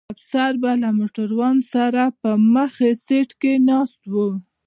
یو افسر به له موټروان سره په مخکي سیټ ناست و.